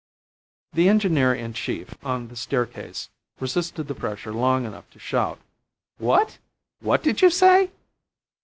The engineer in chief on the staircase resisted the pressure long enough to shout, "What? What did you say?"